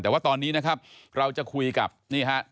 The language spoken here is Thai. แต่ว่าตอนนี้นะครับเราจะคุยกับนี่ฮะ